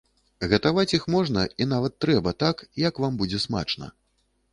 Гатаваць іх можна і нават трэба так, як вам будзе смачна.